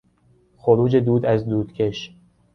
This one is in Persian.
خروج دود از دودکش